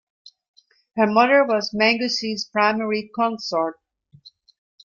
Her mother was Manggusi's primary consort.